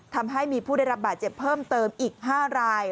ทำให้มีผู้ได้รับบาดเจ็บเพิ่มเติมอีก๕ราย